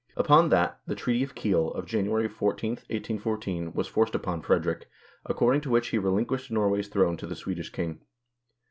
Upon that, the Treaty of Kiel, of January 14, 1814, was forced upon Frederick, according to which he relinquished Nor way's throne to the Swedish king.